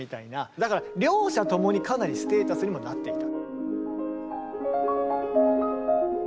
だから両者共にかなりステータスにもなっていた。